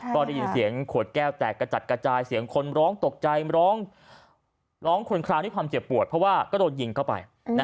ก็ได้ยินเสียงขวดแก้วแตกกระจัดกระจายเสียงคนร้องตกใจร้องร้องคนคลางด้วยความเจ็บปวดเพราะว่าก็โดนยิงเข้าไป